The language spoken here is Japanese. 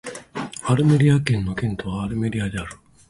アルメリア県の県都はアルメリアである